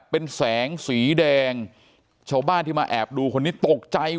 เป็นแสงสีแดงชาวบ้านที่มาแอบดูคนนี้ตกใจ